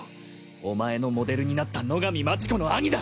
お前のモデルになった野上町子の兄だ！